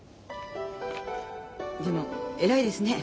でも偉いですね。